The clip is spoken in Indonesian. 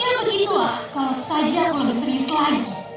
ya begitulah kalau saja lebih serius lagi